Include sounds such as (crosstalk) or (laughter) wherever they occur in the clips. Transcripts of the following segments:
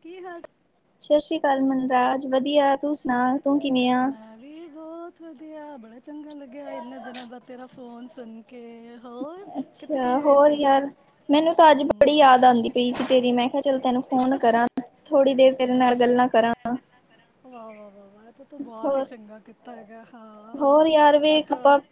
ਕੀ ਹਾਲ? ਕੱਲ ਮਨਰਾਜ ਵਧੀਆ ਐ ਤੂੰ ਸੁਣਾ ਤੂੰ ਕਿਵੇਂ ਆ? ਬੋਤ ਵਧੀਆ ਬੜਾ ਚੰਗਾ ਲੱਗਿਆ ਇਨਾਂ ਦਿਨਾਂ ਬਾਅਦ ਤੇਰਾ ਫੋਨ ਸੁਣ ਕੇ। ਹੋਰ ਕਿੱਥੇ ਅੱਛਾ ਗਈ ਹੋਈ ਹੋਰ ਸੀ ਯਾਰ ਮੈਨੂੰ ਤਾਂ ਅੱਜ ਬੜੀ ਹੂੰ ਯਾਦ ਆਂਦੀ ਪਈ ਸੀ ਤੇਰੀ ਮੈਂ ਕਿਹਾ ਚਲ ਤੈਨੂੰ ਫੋਨ ਨ ਕਰਾਂ ਥੋੜ੍ਹੀ ਦੇਰ ਤੇਰੇ ਨਾਲ ਦੱਸ ਗੱਲਾਂ ਕਰਾਂ। ਵਾਹ ਵਾਹ ਵਾਹ ਵਾਹ ਇਹ ਤੂੰ ਬਹੁਤ ਹੀ ਹੋਰ ਚੰਗਾ ਕੀਤਾ ਹੈਗਾ। ਹਾਂ ਹੋਰ ਯਾਰ ਐ ਵੇਖ ਤਾਂ ਆਪਾਂ ਹ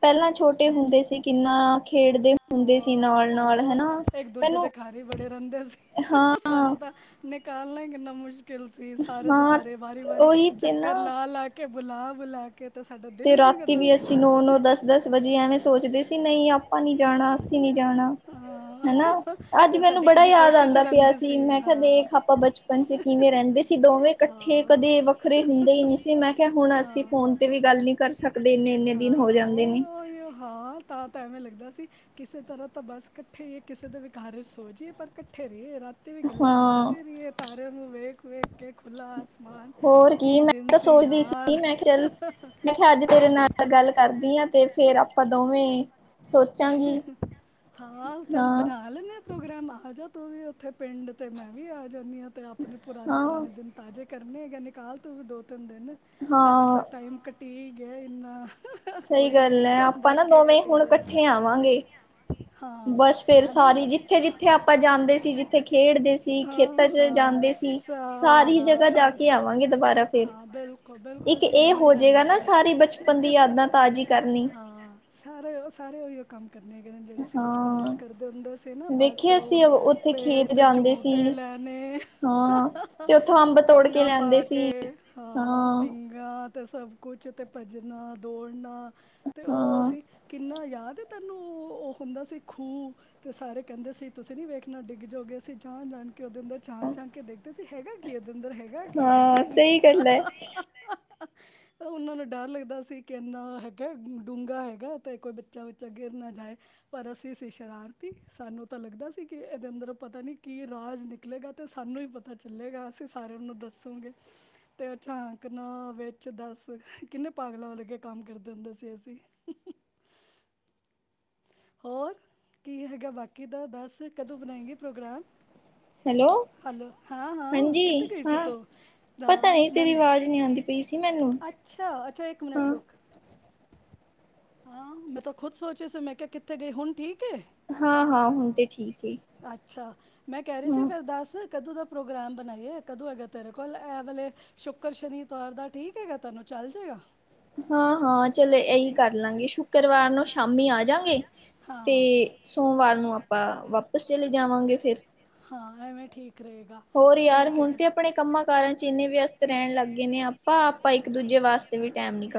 ਪਹਿਲਾਂ ਛੋਟੇ ਹੁੰਦੇ ਸੀ ਕਿੰਨਾ ਖੇਡਦੇ ਹੁੰਦੇ ਸੀ ਨਾਲ ਹੋ ਨਾਲ ਹਨਾ ਇੱਕ ਦੂਜੇ ਮੈਨੂੰ ਤੇ ਘਰ ਹੀ ਬੜੇ ਰਹਿੰਦੇ ਸੀ ਹਾਂ ਸਾਨੂੰ ਤਾਂ ਨਿਕਾਲਣਾ ਈ ਕਿੰਨਾ ਮੁਸ਼ ਕਿਲ ਸੀ ਸਾਰੇ ਦੇ ਹਾਂ ਸਾਰੇ ਵਾਰੀ ਵਾਰੀ ਉਹੀ ਚੱਕਰ ਲਾ ਲਾ ਕੇ ਬੁਲਾ ਬੁਲਾ ਕੇ ਤੇ ਸਾਡਾ ਦਿਲ ਜੇ ਹੀ ਨਹੀਂ ਰਾਤੀ ਕਰਦਾ ਵੀ ਸੀ ਅਸੀਂ ਨੌ ਨੌ ਦਸ ਦਸ ਵਜੇ ਐਵੇਂ ਸੋਚਦੇ ਸੀ ਨਈ ਆਪਾਂ ਨੀ ਜਾਣਾ ਅਸੀ ਨਈ ਜਾਣਾ ਹਾਂ ਹੈਨਾ ਅੱਜ ਤਾਂ ਮੈਨੂੰ ਸਾਡੀ ਬੜਾ ਕਿੰਨੀ ਯਾਦ ਕੋਸ਼ਿਸ਼ ਆਂਦਾ ਪਿਆ ਰਹਿੰਦੇ ਸੀ ਮੈਂ ਕਿਹਾ ਹਾਂ ਦੇਖ ਆਪਾ ਬਚਪ ਪੰਜੇ ਕਿਵੇਂ ਰਹਿੰਦੇ ਸੀ ਦੋਵੇਂ ਕੱਠੇ ਹਾਂ ਕਦੇ ਵੱਖਰੇ ਹੁੰਦੇ ਹੀ ਨਈ ਸੀ ਮੈਂ ਕਿਹਾ ਹੁਣ ਅਸੀ ਹਾਂ ਫੋਨ ਤੇ ਵੀ। ਗੱਲ ਨੀ ਕਰ ਸਕਦੇ ਇੰਨੇ ਇੰਨੇ ਦਿਨ ਹੋ ਹਾਂ ਜਾਂਦੇ ਨੇ। ਉਹ ਹਾਂ ਤਾਂ ਤਾਂ ਏਵੇਂ ਲੱਗਦਾ ਸੀ ਕਿਸੇ ਤਰ੍ਹਾਂ ਤਾਂ ਬਸ ਕੱਠੇ ਹੀ ਕਿਸੇ ਦੇ ਵੀ ਘਰ ਵਿੱਚ ਸੋ ਜਈਏ ਪਰ ਕੱਠੇ ਰਹੀਏ ਰਾਤ ਤੇ ਵੀ ਗੱਲਾਂ ਹਾਂ ਮਾਰਦੇ ਰਹੀਏ ਤਾਰੇ ਨੂੰ ਵੇਖ ਵੇਖ ਕੇ ਖੁਲਾ ਆਸ ਹੋਰ ਕੀ ਮੈਂ ਤਾਂ ਸੋਚਦੀ ਸੀ ਮੈਂ ਚੱਲ ਯਾਰ ਮੈਂ ਕਿਹਾ ਅੱਜ ਤੇਰੇ ਨਾਲ ਗੱਲ ਕਰਦੀ ਆ। ਤੇ ਫੇਰ ਆਪਾਂ ਦੋਵੇਂ ਸੋਚਾਂਗੀ ਹਾਂ ਚੱਲ ਹਾਂ ਬਣਾ ਲੈਂਦੇ ਆ। ਪ੍ਰੋਗਰਾਮ ਆ ਜਾ ਤੂੰ ਵੀ ਓਥੇ ਪਿੰਡ ਤੇ ਮੈਂ ਵੀ ਆ ਜਾਂਦੀ ਆਂ ਤੇ ਅਪਣੇ ਪੁਰਾਣੇ ਹਾਂ ਪੁਰਾਣੇ ਦਿਨ ਤਾਜ਼ੇ ਕਰਨੇ ਹੈਗੇ ਨਿਕਾਲ ਤੂੰ ਵੀ ਦੋ ਤਿੰਨ ਦਿਨ ਐਵੇਂ ਹਾਂ ਤਾਂ ਟਾਈਮ ਕਟੀ ਗਿਆ ਇੰਨਾ। ਸਹੀ ਕੋਈ ਨੀ ਗੱਲ ਹੈ ਆਪਾਂ ਨਾ ਬਾਕੀ ਦੋਵੇਂ ਕੱਟੀ ਹੁਣ ਜਾਣਾ ਇਕੱਠੇ ਆਵਾਂਗੇ। ਹਾਂ ਬਸ ਫੇਰ ਆਦਾ ਸਾਰੀ ਜਿੱਥੇ ਜਿੱਥੇ ਆਪਾਂ ਜਾਂਦੇ ਸੀ ਜਿੱਥੇ ਖੇਡਦੇ ਸੀ ਖੇਤਾਂ ਆਹੋ ਚ ਜਾ ਹਾਂ ਜਾਂਦੇ ਸੀ ਸਾਰੀ ਸਾਰਾ ਜਗ੍ਹਾ ਜਾ ਸਾਰਾ ਕੇ ਆਵਾਂਗੇ ਦੁਬਾਰਾ ਫਿਰ ਹਾਂ ਬਿਲਕੁਲ ਬਿਲਕੁਲ ਇੱਕ ਅਸੀਂ ਇਹ ਉਵੇਂ ਹੋ ਹੀ ਰਹਿਣਾ ਜਾਏਗਾ। ਕਰਨੀ, ਹਾਂ ਸਾਰੇ ਉਹ ਸਾਰੇ ਉਹੀਓ ਕੰਮ। ਕਰਨੇ ਕ ਜਿਹੜੇ ਅਸੀ ਬਚਪਨ ਵਿਚ ਹਾਂ। ਕਰਦੇ ਹੁੰਦੇ ਸੀ ਨਾ ਬਸ ਵੇਖਿਆ ਅਸੀਂ ਓਹੀ ਉੱਥੇ ਪੇਡ ਖੇਤ ਤੇ ਜਾਂਦੇ ਸੀ, ਝੂਟੇ ਲੈਣਾ। ਨੇ ਹਾਂ। ਤੇ ਉੱਥੋਂ ਅੰਬ ਤੋੜ ਕੇ ਪੀਂਘਾ ਲਿਆਂਦੇ ਪਾ ਕੇ ਸੀ, ਹਾਂ ਪੀਂਘਾ ਤੇ ਸਭ ਕੁਛ ਤੇ ਭੱਜਣਾ, ਦੌੜਨਾ ਤੇ ਉਹ ਹਾਂ, ਅਸੀਂ ਕਿੰਨਾ ਯਾਦ ਤੈਨੂੰ (inaudible) ਉਹ (inaudible) ਉਹ ਹੁੰਦਾ ਸੀ ਖੂਹ ਸਾਰੇ ਕਹਿੰਦੇ ਸੀ ਤੁਸੀਂ ਨੀ ਵੇਖਣਾ ਡਿੱਗ ਜਾਓਗੇ ਅਸੀਂ ਜਾਣ ਜਾਣ ਕੇ ਉਹਦੇ ਅੰਦਰ ਝਾਂਕ ਝਾਂਕ ਕੇ ਦੇਖਦੇ ਸੀ ਹੈਗਾ ਕੀ ਇਹਦੇ ਅੰਦਰ ਹੈਗਾ ਕੀ ਹਾਂ ਹੈਗਾ ਕੀ ਸਹੀ ਗੱਲ ਐ, ਉਹਨਾਂ ਨੂੰ ਡਰ ਲੱਗਦਾ ਸੀ ਕਿ ਇੰਨਾ ਹੈਗਾ ਡੂੰਘਾ ਹੈਗਾ ਤੇ ਕੋਈ ਬੱਚਾ। ਕਿਤੇ ਗਿਰ ਨਾ ਜਾਏ, ਪਰ ਅਸੀਂ ਸੀ ਸ਼ਰਾਰਤੀ ਸਾਨੂੰ ਤਾਂ ਲੱਗਦਾ ਸੀ, ਕਿ, ਇਹਦੇ ਅੰਦਰੋ ਪਤਾ ਨੀ, ਕੀ ਆਜ ਨਿਕਲੇਗਾ ਤੇ, ਸਾਨੂੰ ਈ ਪਤਾ ਚੱਲੇਗਾ ਅਸੀਂ ਸਾਰਿਆਂ ਨੂੰ ਦੱਸੋਂਗੇ ਤੇ, ਝਾਕਨਾ ਵਿੱਚ ਦੱਸ। ਕਿੰਨੇ ਪਾਗਲਾਂ ਵਰਗੇ ਕੰਮ ਕਰਦੇ ਹੁੰਦੇ ਸੀ, ਅਸੀਂ। (inaudible) ਹੋਰ, ਕੀ ਹੈਗਾ ਬਾਕੀ ਤਾਂ ਦੱਸ। ਕਦੋਂ ਬਣਾਏਗੀ ਪ੍ਰੋਗਰਾਮ? ਹੈਲੋ! ਹੈਲੋ! ਹਾਂ, ਹਾਂ ਹਾਂਜੀ, ਕਿੱਥੇ ਗਈ ਸੀ, ਹਾਂ। ਤੂ? ਪਤਾ ਨੀ ਤੇਰੀ ਆਵਾਜ਼ ਨੀ ਆਂਦੀ ਪਈ ਸੀ ਅੱਛਾ! ਅੱਛਾ, ਇੱਕ ਮਿਨਟ ਰੁੱਕ। ਹ (inaudible) ਹਾਂ, ''ਮੈਂ ਤੋ ਖੁਦ ਸੋਚਿਆ ਸੀ 'ਮੈਂ ਕਿਹਾ ਕਿੱਥੇ ਗਈ, ਹੁਣ ਠੀਕ? ਕੇ, ਹਾਂ-ਹਾਂ ਹੁਣ ਤੇ ਠੀਕ ਏ, ਅੱਛਾ। ਮੈਂ, ਕਹਿ ਰਹੀ ਸੀ, ਹਾਂ। ਫਿਰ ਦੱਸ? ਕਦੋਂ ਦਾ ਪ੍ਰੋਗਰਾਮ ਬਣਾਈਏ? ਕਦੋਂ ਹੈਗਾ ਤੇਰੇ ਕੋਲ ਐ ਵੇਲੇ ਸ਼ੁੱਕਰ-ਸ਼ਨੀ, ਐਤਵਾਰ ਦਾ ਠੀਕ ਹੈਗਾ, ਤੈਨੂੰ? ਚੱਲ, ਜੇਗਾ। ਹਾਂ-ਹਾਂ, ਚਲ! ਇਹੀ ਕਰਲਾਂਗੇ ਸ਼ੁੱਕਰਵਾਰ ਨੂੰ ਸ਼ਾਮ ਮੰਮੀ ਆ ਜਾਂਗੇ ਤੇ, ਹਾਂ। ਸੋਮਵਾਰ ਨੂੰ ਆਪਾਂ ਵਾਪਸ ਚਲੇ ਜਾਵਾਂਗੇ, ਫਿਰ। ਹਾਂ, ਐਂਵੇ ਠੀਕ। ਹੋਰ, ਯਾਰ ਹੁਣ ਤੇ, ਆਪਣੇ ਕੰਮਾਂ ਕਾਰਾਂ'ਚ ਇੰਨੇ ਵਿਅਸਤ ਰਹਿਣ ਲੱਗੇ ਨੇ, ਆਪਾ-ਆਪਾ ਇੱਕ-ਦੂਜੇ ਵਾਸਤੇ ਵੀ ਟਾਈਮ ਨੀ ਕੱ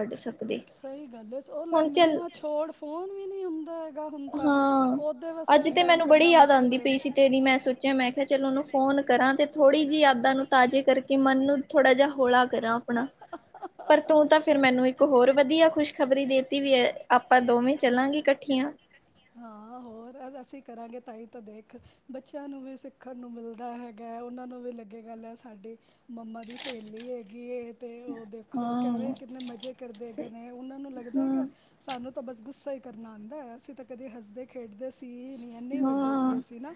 ਸਹੀ ਗੱਲ ਹੈ, ਉਹ ਲੈ। ਚੱਲ ਮਿਲਨਾ ਛੋੜ, ਫੋਨ ਵੀ ਨਹੀਂ ਹੁੰਦਾ ਏ। ਹਾਂ। ਅੱਜ ਤੇ ਮੈਨੂੰ ਬੜੀ ਯਾਦ ਆਉਂਦੀ ਪਈ ਸੀ ਤੇਰੀ। ਮੈਂ ਸੋਚਿਆ ''ਮੈਂ ਕਿਹਾ ਚਲ ਉਹਨੂੰ ਫੋਨ ਕਰਾਂ ਤੇ, ਥੋੜੀ ਜਿਹੀ ਯਾਦਾਂ ਨੂੰ ਤਾਜ਼ੇ ਕਰਕੇ, ਮਨ ਨੂੰ ਥੋੜ੍ਹਾ ਜਿਹਾ ਹੌਲਾ ਕਰਾਂ ਅਪਣਾ। ਪਰ ਤੂੰ, ਤਾਂ, ਫਿਰ ''ਮੈਨੂੰ ਇੱਕ ਹੋਰ ਵਧੀਆ ਖੁਸ਼ ਖ਼ਬਰੀ ਦੇਤੀ ਵੀ, ਏ, ਆਪਾਂ ਦੋਵੇਂ ਚੱਲਾਂਗੇ ਇਕੱਠੀਆਂ। ਹਾਂ, ਹੋਰ, ਅਸੀਂ ਕਰਾਂਗੇ ਤਾਂ, ਹੀ, ਤਾਂ ਦੇਖ ਬੱਚਿਆਂ ਨੂੰ ਵੀ, ਸਿੱਖਣ ਨੂੰ ਮਿਲਦਾ ਹੈਗਾ। ਉਹਨਾਂ ਨੂੰ ਵੀ ਲੱਗੇਗਾ, ਲੈ। ਸਾਡੀ ਮੰਮਾ ਦੀ ਸਹੇਲੀ ਹੇਗੀ ਹੇ। ਤੇ, ਉਹ ਦੇਖੋ, ਕੈਂਵੇ ਹਾਂ ਕਿੰਨੇ ਮਜ਼ੇ ਕਰਦੇ ਸ ਹੈਗੇ ਨੇ, ਉਹਨਾਂ ਨੂੰ ਲੱਗਦਾ ਹਾਂ ਹੈਗਾ ਸਾਨੂੰ ਤਾਂ, ਬਸ ਗੁੱਸਾ ਹੀ ਕਰਨਾ ਆਉਂਦਾ ਹੈ। ਅਸੀਂ ਤਾਂ, ਕਦੇ ਹੱਸਦੇ-ਖੇਡਦੇ ਸ ਹ (inaudible) ਇੰਨੇ ਵੱਡੇ ਸੀ ਅਸੀਂ ਨਾ,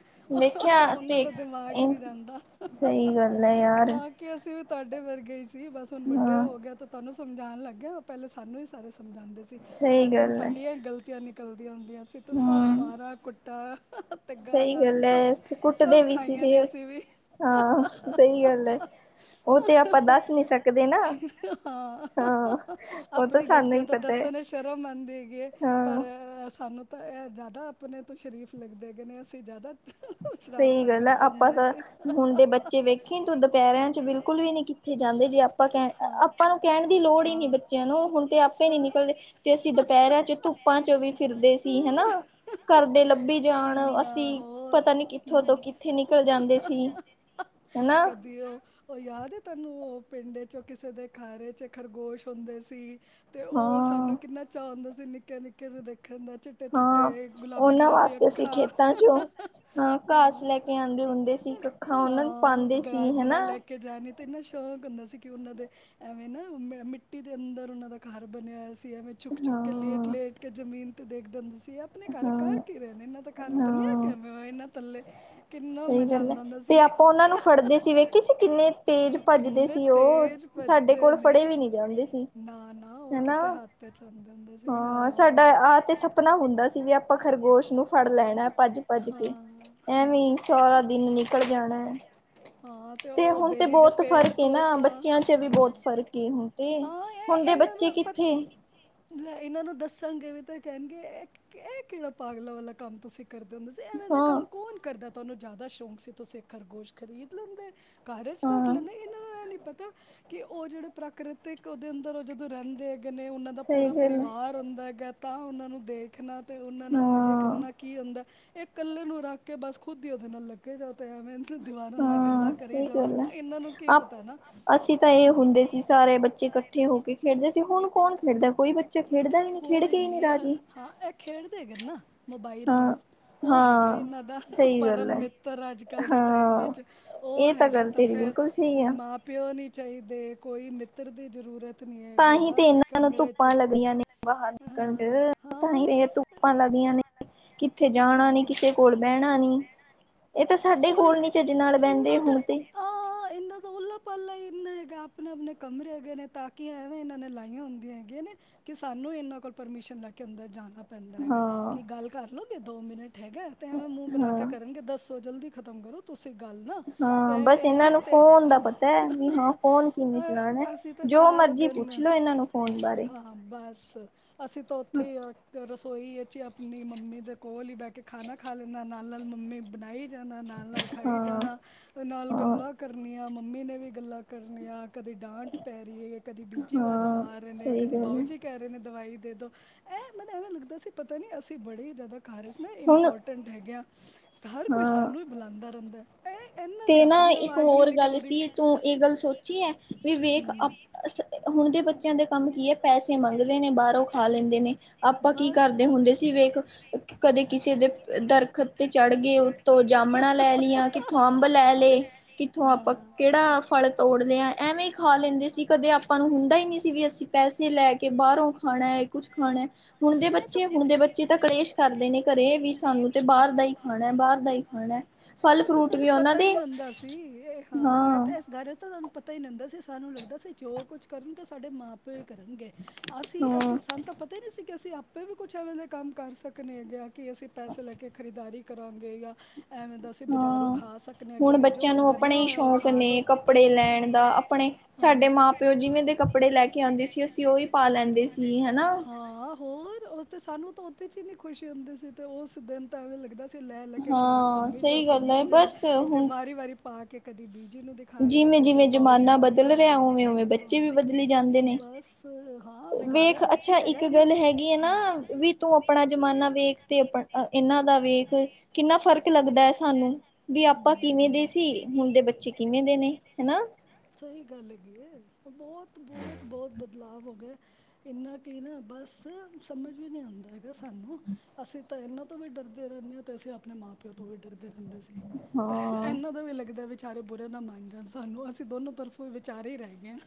ਤੇ ਉਹਨਾਂ ਦਾ ਦਿਮਾਗ ਹੀ ਨਹੀਂ ਜਾਂਦਾ। ਸਹੀ ਗੱਲ ਹੈ ਯਾਰ ਹਾਂ, ਕੀ, ਅਸੀਂ ਤੁਹਾਡੇ ਵਰਗੇ ਹੀ, ਸੀ, ਬਸ। ਹੁਣ, ਵੱਡੇ ਹਾਂ ਹੋ ਗਏ ਤਾਂ ਤੁਹਾਨੂੰ ਸਮਝਾਣ ਲੱਗ ਗੇ, ਉਹ ਪਹਿਲੇ ਸਾਨੂੰ ਹੀ ਸਾਰੇ ਸਮਝਾਂਦੇ ਸੀ, ਸਹੀ ਹਰ ਟਾਈਮ ਗੱਲ ਹੈ ਸਾਡੀਆਂ ਗ਼ਲਤੀਆਂ ਨਿਕਲਦੀਆਂ ਹੁੰਦੀਆਂ। ਅਸੀਂ ਤੇ, ਸਭ ਹਮ ਮਾਰਾ ਕੁੱਟਾ ਤੇ, ਸਹੀ ਗਾਲਾ ਤੇ, ਗੱਲ ਸਭ- ਹੈ ਕੁੱਟਦੇ ਸਭ ਵੀ ਸੀ ਖਾਈਆਂ ਤੇ ਨੇ ਅਸੀ ਵੀ। ਹਾਂ, ਸਹੀ ਗੱਲ ਐ। ਉਹ ਤੇ, ਆਪਾਂ ਦੱਸ ਨੀ ਸਕਦੇ ਨਾ, ਹਾਂ ਹਾਂ, ਉਹ ਤੇ ਸਾਨੂੰ ਹੀ ਪਤਾ ਹੈ। ਮੈਨੂੰ ਸ਼ਰਮ ਆਉਂਦੀ ਹੈਗੀ ਏ, ਪਰ ਹਾਂ ਸਾਨੂੰ ਤਾਂ ਤਾਂ ਇਹ ਜ਼ਿਆਦਾ ਆਪਣੇ ਤੋਂ, ਸ਼ਰੀਫ ਲੱਗਦੇ ਹੇਗੇ ਨੇ, ਅਸੀਂ ਜ਼ਿਆਦਾ (inaudible) ਸਹੀ ਸ਼ਰਾਰਤਾਂ ਗੱਲ ਹੈ। ਕਰਦੇ ਆਪਾਂ ਹੁੰਦੇ ਤਾਂ, ਸੀ। ਹੁਣ ਦੇ ਬੱਚੇ ਵੇਖੀ ਤੂੰ, ਦੁਪਹਿਰਿਆਂ'ਚ ਬਿਲਕੁਲ ਵੀ ਨੀ ਕਿੱਥੇ ਜਾਂਦੇ। ਜੇ ਆਪਾਂ ਕਹਿਣ ਆਪਾਂ ਨੂੰ ਕਹਿਣ ਦੀ ਲੋੜ ਹੀ ਨੀ ਬੱਚਿਆਂ ਨੂੰ, ਹੁਣ ਤੇ, ਆਪੇ ਨੀ ਨਿਕਲਦੇ ਤੇ, ਅਸੀਂ ਦੁਪਹਿਰਾਂ'ਚ ਧੁੱਪਾਂ'ਚ ਵੀ ਫਿਰਦੇ ਸੀ, ਹਨਾ। ਬਿਲਕੁਲ ਘਰਦੇ ਲੱਭੀ ਜਾਣ ਲੰਮੇ ਅਸੀਂ ਜਾਂਦੇ ਹੁੰਦੇ ਪਤਾ ਸੀ। ਨੀ ਕਿੱਥੋਂ ਤੋਂ, ਕਿੱਥੇ ਨਿਕਲ ਜਾਂਦੇ ਸੀ, ਹਨਾ। ਕਦੀ ਉਹ ਉਹ ਯਾਦ ਹੈ ਉਹ ਪਿੰਡ'ਚੋਂ ਕਿਸੇ ਦੇ, ਖਾਰੇ'ਚ ਖਰਗੋਸ਼ ਹੁੰਦੇ ਸੀ। ਤੇ, ਉਹ ਹਾਂ ਸਾਨੂੰ ਕਿੰਨਾ ਚਾਅ ਹੁੰਦਾ ਸੀ। ਨਿੱਕੇ- ਨਿੱਕੇ ਨੂੰ ਦੇਖਣ ਦਾ। ਚਿੱਟੇ ਹਾਂ, ਚਿੱਟੇ ਗੁਲਾਬੀ ਉਹਨਾਂ ਗੁਲਾਬੀ ਵਾਸਤੇ ਅਸੀਂ ਅੱਖਾਂ ਖੇਤਾਂ'ਚੋਂ ਹਂ। ਘਾਸ ਲੈਕੇ ਆਂਦੇ ਹੁੰਦੇ ਸੀ। ਸੀ ਕੱਖਾ ਉਹਨਾਂ ਨੂੰ, ਹਾਂ ਪਾਂਦੇ ਸੀ ਹੇਨਾ। ਗਾਜਰਾਂ ਲੈ ਕੇ ਜਾਣੇ ਤੇ ਇੰਨਾ ਸ਼ੌਕ ਹੁੰਦਾ ਸੀ, ਕਿ ਉਹਨਾਂ ਦੇ ਐਵੇਂ ਨਾ। ਮਿੱਟੀ ਦੇ ਅੰਦਰ ਉਹਨਾਂ ਦਾ ਖਾਰ ਬਣਿਆ ਹੋਇਆ ਸ ਐਂਵੇ। ਝੁੱਕ-ਝੁੱਕ ਕੇ, ਹਾਂ ਲੇਟ-ਲੇਟ ਕੇ, ਜ਼ਮੀਨ ਤੇ ਦੇਖਦੇ ਹੁੰਦੇ ਸੀ। ਅਪਣੇ ਘਰ ਕਰ ਹਾਂ ਕੀ ਰਹੇ ਨੇ ਇਹਨਾਂ ਦਾ ਘਰ ਬਣਿਆ ਹਾਂ ਕਿਵੇਂ ਇਹਨਾਂ ਥੱਲੇ, ਕਿੰਨਾ ਸਹੀ ਮਜ਼ਾ ਗੱਲ ਹੈ ਆਉਂਦਾ ਹੁੰਦਾ ਸੀ। ਤੇ ਆਪਾਂ ਉਹਨਾਂ ਨੂੰ ਫੜਦੇ ਸੀ ਵੇਖੀ ਸੀ ਕਿੰਨੇ ਤੇਜ਼ ਉਹ ਭੱਜਦੇ ਕਿੰਨੇ ਸੀ ਉਹ ਤੇਜ਼ ਸਾਡੇ ਭੱਜਦੇ ਕੋਲ ਨੇ ਫੜੇ ਵੀ ਨਹੀਂ ਜਾਂਦੇ ਸੀ ਨਾ ਨਾ ਉਹ ਹਨਾ ਕਿਤੇ ਹੱਥ ਚ ਆਂਦੇ ਹੁੰਦੇ ਸੀ ਹਾਂ। ਅਸੀਂ ਵੀ ਆਪਾਂ ਖਰਗੋਸ਼ ਨੂੰ ਫੜ ਲੈਣਾ ਭੱਜ ਭੱਜ ਕੇ ਹਾਂ ਹਾਂ ਐਵੇਂ ਸਾਰਾ ਦਿਨ ਨਿਕਲ ਜਾਣਾ। ਹਾਂ (unintelligible) ਤੇ ਉਹ ਹੁਣ ਤੇ ਬੇਰੀ ਦੇ ਬਹੁਤ ਪੇੜ ਫ਼ਰਕ ਤੋਂ ਏਨਾ ਹਾਂ ਬੱਚਿਆਂ ਚ ਵੀ ਹਾਂ ਬਹੁਤ ਫ਼ਰਕ ਏ ਹੁਣ ਤੇ ਹਾਂ ਹੁਣ ਇਹ ਦੇ ਇਹਨਾਂ ਨੂੰ ਬੱਚੇ ਆਪਾਂ ਕਿੱਥੇ ਲੈ ਇਹਨਾਂ ਨੂੰ ਦੱਸਾਂਗੇ ਵੀ ਤਾਂ ਇਹ ਕਹਿਣਗੇ ਇਹ, ਇਹ ਕਿਅੜਾ ਪਾਗਲਾਂ ਵਾਲਾ ਕੰਮ ਤੁਸੀਂ ਕਰਦੇ ਹੁੰਦੇ ਸੀ, ਐਵੇਂ ਦਾ ਹਾਂ ਕੰਮ ਕੌਣ ਕਰਦਾ ਤੁਆਨੂੰ ਜ਼ਿਆਦਾ ਸ਼ੌਕ ਸੀ ਤੁਸੀਂ ਖਰਗੋਸ਼ ਖਰੀਦ ਲੈਂਦੇ ਘਰ ਇਚ ਰੱਖ ਹਾਂ ਲੈਂਦੇ। ਇਹਨਾਂ ਦਾ ਇਹ ਨੀ ਪਤਾ। ਕਿ ਉਹ ਜਿਹੜੇ ਪ੍ਰਾਕ੍ਰਿਤਿਕ ਉਹਦੇ ਅੰਦਰ ਉਹ ਜਦੋਂ ਰਹਿੰਦੇ ਹੈਗ ਗਨੇ ਉਹਨਾਂ ਦਾ ਸਹੀ ਪੂਰਾ ਗੱਲ ਹੈ ਪਰਿਵਾਰ ਹੁੰਦਾ ਹੈਗਾ ਤਾਂ ਉਹਨਾਂ ਨੂੰ ਦੇਖਣਾ। ਤੇ ਉਹਨਾਂ ਨਾਲ ਮਜ਼ੇ ਹਾਂ ਕਰਨਾ ਕੀ ਹੁੰਦਾ ਏ ਕੱਲੇ ਨੂੰ ਰੱਖ ਕੇ ਬਸ ਖੁਦ ਈ ਉਹਦੇ ਨਾਲ ਲੱਗੇ ਜਾ ਤੇ ਐਵੇਂ। ਦੀਵਾਰਾਂ ਨਾਲ ਹਾਂ ਗੱਲਾਂ ਕਰੀ ਸਹੀ ਜਾਓ ਗੱਲ ਹੈ ਇਹਨਾਂ ਨੂੰ ਕੀ ਆਪ ਪਤਾ ਨਾ। ਅਸੀਂ ਤਾਂ ਇਹ ਹੁੰਦੇ ਸੀ ਸਾਰੇ ਬੱਚੇ ਇਕੱਠੇ ਹੋ ਕੇ ਖੇਡਦੇ ਸੀ ਹੁਣ ਕੌਣ ਖੇਡਦਾ ਕੋਈ ਬੱਚਾ ਖੇਡਦਾ ਈ ਨਈ ਖੇਡ ਕੇ ਕੋਈ ਹੀ ਨਈ ਨਹੀਂ ਰਾਜੀ। ਹਾਂ ਇਹ ਖੇਡਦੇ ਹੈਗੇ ਨਾ ਮੋਬਾਈਲ ਹਾਂ ਨਾਲ ਉਹ ਹੈਗਾ ਹਾਂ ਇਹਨਾਂ ਦਾ ਸਹੀ ਗੱਲ ਪਰਮ ਹੈ ਮਿੱਤਰ ਅੱਜ ਕੱਲ ਦੇ ਟਾਈਮ ਹਾਂ ਚ ਉਹ ਉਹ ਇਹ ਹੈਗਾ ਗੱਲ ਤਾਂ ਤੇਰੀ ਫੇਰ ਬਿਲਕੁਲ ਸਹੀ ਆ ਮਾਂ-ਪਿਓ ਨੀ ਚਾਈਦੇ ਕੋਈ ਮਿੱਤਰ ਦੀ ਜ਼ਰੂਰਤ ਨਹੀਂ ਤਾਂ ਹੈਗੀ ਹੀ ਤੇ ਬਸ ਇਹਨਾਂ ਨੂੰ ਕਮਰੇ 'ਚ ਧੁੱਪਾਂ ਲੱਗੀਆਂ ਨੇ ਬਾਹਰ ਨੇ ਨਿਕਲ ਹਾਂ ਚ ਤਾਂ ਹੀ ਹਾਂ ਇਹ ਧੁੱਪਾਂ ਲੱਗਦੀਆਂ ਨੇ। ਕਿੱਥੇ ਜਾਣਾ ਨੀ, ਹਾਂ ਕਿਸੇ ਕੋਲ ਬੈਅਣਾ ਨੀ। ਇਹ ਤਾਂ ਸਾਡੇ ਉਹਲ ਕੋਲ ਨੀ ਚਜ ਨਾਲ ਬਹਿੰਦੇ ਇਹਨਾਂ ਦਾ ਹੁਣ ਤੇ ਆ ਇੰਨਾ ਤਾਂ, ਉੱਲਲਾ ਪਾਲਹੀ ਕਿੰਨਾ ਹੈਗਾ ਆਪਣੇ-ਆਪਣੇ ਕਮਰੇ ਹੈਗੇ ਨੇ, ਤਾਕਿਆ ਐਵੇਂ ਇਹਨਾਂ ਨੇ ਲਾਈਆਂ ਹੁੰਦੀਆ। ਕਿ ਸਾਨੂੰ ਇਹਨਾਂ ਕੋਲ ਪਰਮਿਸ਼ਨ ਲੈ ਕੇ ਅੰਦਰ ਜਾਣਾ ਪੈਂਦਾ ਹੈਗਾ ਹਾਂ ਕਿ ਗੱਲ ਕਰ ਲਓਗੇ ਦੋ ਮਿੰਟ। ਠੇਗਾ ਤੇ ਐਵੇਂ ਮੂੰਹ ਬਣਾ ਕੇ ਹਾਂ ਕਰਨਗੇ ਦੱਸੋ ਜਲਦੀ ਖਤਮ ਕਰੋ ਤੁਸੀਂ। ਗਲ ਨਾ ਹਾਂ ਬਸ ਇਹਨਾਂ ਅ ਅ ਨੂੰ ਤੇ ਫੋਨ ਦਾ ਪਤਾ ਹੈ ਵੀ ਹਾਂ ਫੋਨ ਕਿਵੇਂ ਅ ਚਲਾਣਾ ਅਸੀਂ ਤੇ ਸਾ ਜੋ ਮਰਜ਼ੀ ਪੁੱਛ ਲੋੋ ਇਹਨਾਂ ਨੂੰ ਫੋਨ ਬਾਰੇ। ਹਾਂ ਬਸ, ਅਸੀਂ ਤਾਂ ਉੱਥੇ ਈ ਆ (unintelligible) ਸੋਈ ਈਚ ਅਪਣੀ ਮੰਮੀ ਦੇ ਕੋਲ ਈ ਬੈ ਕੇ ਖਾਣਾ ਖਾ ਲੈਨਾ ਨਾਲ-ਨਾਲ ਮੰਮੀ ਬਣਾਈ ਜਾਣਾ, ਨਾਲ-ਨਾਲ ਖਾਈ ਹਾਂ ਜਾਣਾ, ਨਾਲ ਹਾਂ ਗੱਲਾਂ ਕਰਨੀਆਂ, ਮੰਮੀ ਨੇ ਵੀ ਗੱਲਾਂ ਕਰਨੀਆਂ। ਕਦੇ ਡਾਂਟ ਪੈ ਰਈ ਐ ਯਾ ਕਦੀ ਬੀਜੀ ਵਾਜਾ ਹਾਂ ਮਾਰ ਰਏ ਨੇ, ਸਹੀ ਕਦੀ ਗੱਲ ਬਾਊ ਹੈ ਜੀ ਕਏ ਰਏ ਨੇ। ਦਵਾਈ ਦੇ ਦੋ ਇਹ ਮੈਤਾ ਐਵੇਂ ਲੱਗਦਾ ਸੀ ਪਤਾ ਨੀ ਅਸੀਂ ਬੜੇ ਈ ਜਿਆਦਾ ਘਰ ਇਜ ਨਾ ਹੁਣ ਇੰਪੋਰਟੈਂਟ ਹੈਗਯਾ। ਹਰ ਕੋਈ ਹਾਂ ਸਾਨੂੰ ਈ ਬੁਲਾਂਦਾ ਰਹਿੰਦਾ। ਇਹ ਇਹਨਾਂ ਦੀ ਤੇ ਨਾ ਆਪਣੀ ਇੱਕ ਆਵਾਜ਼ ਨਹੀਂ ਹੋਰ ਗੱਲ ਨਿਕਲਦੀ ਸੀ ਤੂੰ ਇਹ ਗੱਲ ਸੋਚੀ ਐ ਵੀ ਵੇਖ ਅਪ ਅਸ ਹੁਣ ਦੇ ਬਚ ਬੱਚਿਆਂ ਦੇ ਕੰਮ ਕੀ ਐ ਪੈਸੇ ਮੰਗਲੇ ਨੇ ਬਾਰੋਂ ਖਾ ਲੈਂਦੇ ਨੇ। ਆਪਾਂ ਕੀ ਬਸ। ਕਰਦੇ ਹੁੰਦੇ ਸੀ ਵੇਖ ਕਦੇ ਕਿਸੇ ਦੇ ਦਰਖਤ ਤੇ ਚੜ੍ਹ ਗਏ ਓਤੋ ਜਾਮਣਾ ਲੈ ਲਈਆਂ ਕਿੱਥੋਂ ਅੰਬ ਲੈ ਲਏ ਕਿੱਥੋਂ ਆਪਾਂ ਕਿਹੜਾ ਫਲ ਤੋੜ ਲਿਆ ਐਵੇਂ ਈ ਖਾ ਲੈਂਦੇ ਸੀ ਕਦੇ ਆਪਾਂ ਨੂੰ ਹੁੰਦਾ ਈ ਨਈ ਸੀ ਵੀ ਅਸੀਂ ਪੈਸੇ ਲੈ ਕੇ ਬਾਹਰੋਂ ਖਾਣਾ ਕੁਛ ਖਾਣਾ, ਹੁਣ ਦੇ ਖਾਣਾ ਬੱਚੇ, ਹੁਣ ਦੇ ਬੱਚੇ ਤਾਂ ਕਲੇਸ਼ ਕਰਦੇ ਨੇ ਘਰੇ ਵੀ ਸਾਨੂੰ ਤੇ ਬਾਹਰ ਦਾ ਹੀ ਖਾਣਾ ਬਾਹਰ ਦਾ ਹੀ ਖਾਣਾ, ਫਲ ਇਹ ਤਾਂ ਫਰੂਟ ਸਾਨੂੰ ਵੀ ਉਹਨਾਂ ਪਤਾ ਈ ਦੇ ਨਈ ਹੁੰਦਾ ਸੀ, ਇਹ ਹਾਂ ਏਤਾ ਏਸ ਘਰ ਇਹ ਤਾਂ ਸਾਨੂੰ ਪਤਾ ਈ ਨੀ ਹੁੰਦਾ ਸੀ ਸਾਨੂੰ ਲੱਗਦਾ ਸੀ ਜੋ ਕੁੱਝ ਕਰਨਗੇ ਸਾਡੇ ਮਾਂ-ਪਿਓ ਪਿਓ ਈ ਕਰਨਗੇ, ਅਸੀਂ, ਅਸੀਂ ਹਾਂ, ਸਾਨ ਤਾਂ ਪਤਾ ਈ ਨੀ ਸੀ। ਕਿ ਅਸੀਂ ਆਪੇ ਵੀ ਕੁਛ ਐਵੇਂ ਦੇ ਕੰਮ ਕਰ ਸਕਨੇਗੇ ਕਿ ਅਸੀਂ ਪੈਸੇ ਲੈ ਕੇ ਖਰੀਦਦਾਰੀ ਕਰਾਂਗੇ ਯਾ ਐਵੇਂ ਦਾ ਅਸੀਂ ਬਜ਼ਾਰੋਂ ਹਾਂ ਖਾ ਸਕਦੇ ਹਾਂ ਕਿ ਹੁਣ ਨਹੀਂ ਬੱਚਿਆਂ ਜੋ ਨੂੰ ਬਣਿਆ ਆਪਣੇ ਈ ਹੋਇਆ ਉਹ ਸ਼ੌਕ ਖਾ ਲਓ ਨੇ ਕੱਪੜੇ ਲੈਣ ਦਾ ਅਪਣੇ। ਸਾਡੇ ਮਾਂ ਪਿਓ ਜਿਵੇਂ ਦੇ ਕੱਪੜੇ ਲੈ ਕੇ ਆਂਦੇ ਸੀ, ਅਸੀਂ ਉਹ ਈ ਪਾ ਲੈਂਦੇ ਸੀ। ਜੀ ਹਨਾ। ਹਾਂ ਹੋਰ ਉਹ ਤੇ ਸਾਨੂੰ ਤਾਂ ਉਹਦੇ 'ਚ ਹੀ ਨੀ ਖੁਸ਼ੀ ਹੁੰਦੀ ਸੀ ਤੇ ਉਸ ਦਿਨ ਤਾਂ ਐਵੇਂ ਲੱਗਦਾ ਸੀ। ਤੇ ਲੈ ਲੈ ਕੇ ਫਰਾਕ ਹਾਂ ਘੁੰਮੀ ਜਾਓ ਸਹੀ ਗੱਲ ਘੁੰਮੀ ਹੈ ਜਾ ਬਸ ਤੇ ਹੁਣ ਵਾਰੀ ਵਾਰੀ ਪਾ ਕੇ ਕਦੀ। ਮੰਮੀ ਜੀ ਨੂੰ ਦਿਖਾ ਰਿਹਾ ਜਿਵੇਂ ਕਦੇ ਜਿਵੇਂ ਬਾਊ ਜੀ ਜ਼ਮਾਨਾ ਨੂੰ ਬਦਲ ਦਿਖਾ ਰਿਹਾ ਉਵੇਂ ਉਵੇਂ ਬੱਚੇ ਹਾਂ ਵੀ ਬਦਲੀ ਜਾਂਦੇ ਨੇ। ਬਸ। ਹਾਂ ਵਿਗਾੜਿਆ। ਵੇਖ ਤਾਂ ਅੱਛਾ ਅਸੀਂ ਹੈਗਾ ਇੱਕ ਇਹਨਾਂ ਗੱਲ ਨੂੰ ਹੈਗੀ ਆ ਹੂੰ ਨਾ ਵੀ ਤੂੰ ਆਪਣਾ ਜਮਾਨਾ ਵੇਖ ਤੇ ਆਪ ਇਹਨਾਂ। ਦਾ ਵੇਖ ਕਿੰਨਾ ਫਰਕ ਲੱਗਦਾ ਹੈ। ਸਾਨੂੰ ਵੀ ਆਪਾਂ ਕਿਵੇਂ ਦੇ ਸੀ ਹੁਣ ਦੇ ਬੱਚੇ? ਕਿਵੇਂ ਦੇ ਨੇ ਹਨਾ। ਸਹੀ ਗੱਲ ਹੈਗੀ ਹੈ ਬਹੁਤ ਬਹੁਤ ਬਹੁਤ ਬਦਲਾਵ ਹੋ ਗਿਆ ਇੰਨਾ ਕੀ ਨਾ। ਬਸ ਸਮਝ ਵੀ ਨਹੀਂ ਆਉਂਦਾ। ਸਾਨੂੰ ਅਸੀਂ ਤਾਂ ਇਹਨਾਂ ਤੋਂ ਵੀ ਡਰਦੇ ਰਹਿੰਦੇ ਹਾਂ। ਤੇ ਅਸੀਂ ਆਪਣੇ ਮਾਂ ਪਿਓ ਤੋਂ ਵੀ ਡਰਦੇ। ਹਾਂ। ਇਹਨਾਂ ਦਾ ਵੀ ਲੱਗਦਾ ਵਿਚਾਰੇ ਬੁਰੇ ਨਾ ਮੰਨ ਜਾਣ ਸਾਨੂੰ ਅਸੀਂ। ਦੋਨੋ ਤਰਫ ਵਿਚਾਰੇ ਹੀ ਰਹਿ ਗਏ ਨੇ।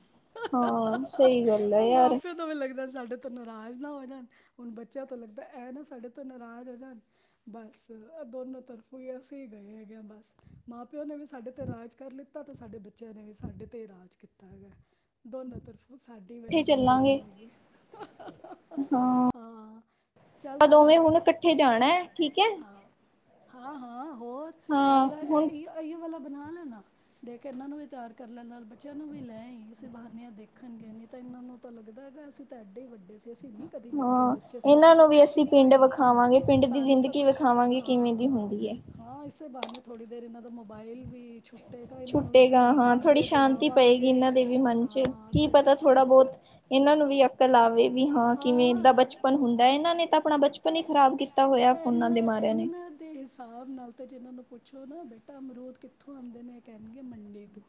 ਹਾਂ ਸਹੀ ਗੱਲ ਹੈ ਯਾਰ। ਪਿਓ ਤੋਂ ਵੀ ਲੱਗਦਾ ਸਾਡੇ ਤੋਂ ਨਾਰਾਜ਼ ਨਾ ਹੋ ਜਾਣ ਹੁਣ ਬੱਚਿਆਂ ਤੋਂ ਲੱਗਦਾ ਇਹ ਨਾ ਸਾਡੇ ਤੋਂ ਨਾਰਾਜ਼ ਹੋ ਜਾਣ ਬਸ। ਦੋਨੋ ਤਰਫੋਂ ਹੀ ਅਸੀਂ ਗਏ ਹੈਗੇ ਹਾਂ ਬਸ ਮਾਂ ਪਿਓ ਨੇ ਵੀ ਸਾਡੇ ਤੇ ਰਾਜ ਕਰ ਲਿੱਤਾ ਤੇ ਸਾਡੇ ਬੱਚੇ। ਬੱਚਿਆਂ ਨੇ ਵੀ ਸਾਡੇ ਤੇ ਰਾਜ ਕੀਤਾ ਹੈਗਾ ਦੋਨਾਂ ਤਰਫ਼। ਉਹ ਸਾਡੇ ਇਕੱਠੇ ਵਾਲੀ ਚੱਲਾਂਗੇ ਜਨਰੇਸ਼ਨ ਹੈਗੀ ਹਾਂ। ਚੱਲ ਆਪਾਂ ਤੂੰ ਦੋਵੇਂ ਹੁਣ ਇਕੱਠੇ ਫਿਰ ਜਾਣਾ ਹੈ ਠੀਕ ਹੈ। ਹਾਂ, ਹਾਂ ਹਾਂ ਹੋਰ ਇਹ ਹਾਂ ਵਾਲਾ ਹੁਣ ਇਹ ਵਾਲਾ ਬਣਾ ਲੈਣਾ ਦੇਖ ਇਹਨਾਂ ਨੂੰ। ਤਿਆਰ ਕਰ ਲੈ ਨਾਲ ਬੱਚਿਆਂ ਨੂੰ ਵੀ ਲੈ ਇਸ ਬਹਾਨਿਆਂ। ਹਾਂਜੀ ਹਾਂਜੀ ਤਾਂ ਇਹਨਾਂ ਨੂੰ ਤਾਂ ਲੱਗਦਾ ਹੈਗਾ ਅਸੀਂ ਤਾਂ ਐਡੇ ਹੀ ਵੱਡੇ ਸੀ। ਵੀ ਅਸੀਂ ਨਹੀਂ ਕਦੇ ਨਿੱਕੇ ਹਾਂ ਬੱਚੇ ਸੀ ਅਸੀਂ ਇਹਨਾਂ ਤਾਂ ਨੂੰ ਵੀ ਕੁਛ ਕੀਤਾ ਪਿੰਡ ਹੀ ਨਹੀਂ ਵਿਖਾਵਾਂਗੇ ਪਿੰਡ ਦੀ ਸਾਨੂੰ ਤਾਂ ਜ਼ਿੰਦਗੀ ਕੁਛ ਵਿਖਾਵਾਂਗੇ ਕਿਵੇਂ ਹਾਂ। ਦੀ ਹੁੰਦੀ ਐ। ਉਸੇ ਬਹਾਨੇ ਥੋੜ੍ਹੀ ਦੇਰ ਇਹਨਾਂ ਦਾ ਮੋਬਾਈਲ ਵੀ ਛੁੱਟੇਗਾ ਇਹਨਾਂ ਨੂੰ ਵੀ ਗਾਹਾ ਥੋੜ੍ਹੀ ਭਜਾਵਾਂਗੇ ਸ਼ਾਂਤੀ ਪਏਗੀ ਦੌੜਾਵਾਂਗੇ ਇਹਨਾਂ ਦੇ ਵੀ ਮਨ 'ਚ ਹਾਂ ਕੀ ਤੇ ਪਤਾ ਕੱਚੇ ਥੋੜਾ ਬਹੁਤ ਇਹਨਾਂ ਨੂੰ ਵੀ। ਅਕਲ ਆਵੇ। ਵੀ ਹਾਂ ਕਿਵੇਂ ਦਾ ਬਚਪਨ ਹੁੰਦਾ ਇਹਨਾਂ ਨੇ ਤਾਂ ਆਪਣਾ ਬਚਪਨ ਹੀ ਖ਼ਰਾਬ ਕੀਤਾ ਹੋਇਆ ਫੋਨਾਂ ਦੇ ਮਾਰਿਆਂ ਨੇ। ਇਨ੍ਹਾਂ ਦੇ ਹਿਸਾਬ ਨਾਲ ਜੇ ਇਹਨਾਂ ਤੋਂ ਪੁੱਛੋ ਨਾ ਬੇਟਾ ਅਮਰੂਦ ਕਿੱਥੋਂ ਆਉਂਦੇ ਨੇ ਇਹ ਕਹਿਣਗੇ ਮੰਡੀ ਤੋਂ।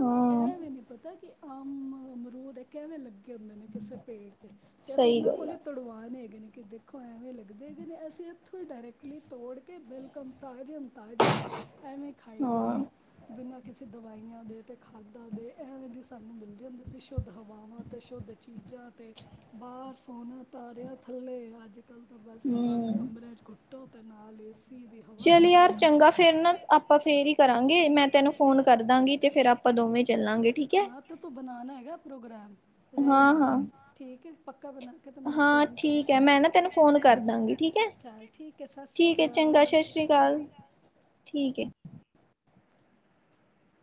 ਹਾਂ। ਅਹ ਅਮਰੂਦ ਹੈ ਕਿਵੇਂ ਲੱਗੇ ਹੁੰਦੇ ਨੇ ਕਿਸੇ ਪੇੜ। ਤੇ ਅਸੀਂ ਸਹੀ ਇਹਨਾਂ ਗੱਲ ਕੋਲੇ ਆ ਤੜਵਾਨੇ ਹੈਗੇ ਨੇ। ਕਿ ਦੇਖੋ ਐਵੇਂ ਲੱਗਦੇ ਨੇ ਅਸੀਂ ਇੱਥੋਂ ਹੀ ਡਾਇਰੈਕਟਲੀ ਤੋੜ ਕੇ ਬਿਲਕਮ ਤਾਜੇ। ਤਾਜ਼ੇ ਐਵੇਂ ਖਾਈਦੇ ਹਾਂ ਸੀ। ਬਿਨਾਂ ਕਿਸੇ ਦਵਾਈਆਂ ਦੇ। ਤੇ ਖਾਦਾਂ ਦੇ ਐਵੇਂ ਦੀ ਸਾਨੂੰ ਮਿਲਦੀ ਹੁੰਦੀ ਸੀ ਸ਼ੁੱਧ ਹਵਾਵਾਂ ਤੇ ਸ਼ੁੱਧ ਚੀਜ਼ਾਂ ਤੇ। ਪਰ ਸੌਣਾ ਤਾਰਿਆ ਥੱਲੇ ਅੱਜ ਕੱਲ੍ਹ ਤਾਂ ਬਸ ਬੰਦ ਹਮ ਕਮਰਿਆਂ ਚ ਘੁੱਟੋ ਤੇ ਨਾਲ ਏਸੀ। ਚੱਲ ਯਾਰ ਚੰਗਾ ਫੇਰ ਨਾ ਆਪਾਂ ਫੇਰ ਹੀ ਕਰਾਂਗੇ ਮੈਂ ਤੈਨੂੰ ਫੋਨ ਕਰਦਾਂਗੀ ਤੇ ਫੇਰ ਆਪਾਂ। ਦੋਵੇਂ ਚੱਲਾਂਗੇ ਠੀਕ ਹੈ। ਹਾਂ ਤੇ ਤੂੰ ਬਣਾਉਣਾ ਹੈਗਾ ਪ੍ਰੋਗਰਾਮ ਰਹਿ ਹਾਂ ਨਾ ਹਾਂ ਜਾਏ ਠੀਕ ਹੈ। ਪੱਕਾ ਬਣਾ ਕੇ ਤੇ ਮੈਨੂੰ ਹਾਂ ਫੋਨ ਕਰੀ ਠੀਕ ਹੈ ਚਲ ਮੈਂ ਨਾ ਤੈਨੂੰ ਫੋਨ ਕਰ ਦਾਂਗੀ ਠੀਕ ਹੈ ਠੀਕ ਆ ਸਤਿ ਸ੍ਰੀ ਠੀਕ ਹੈ ਅਕਾਲ। ਚੰਗਾ ਸਤਿ ਸ਼੍ਰੀ ਅਕਾਲ ਠੀਕ ਹੈ।